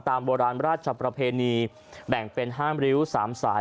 โบราณราชประเพณีแบ่งเป็น๕ริ้ว๓สาย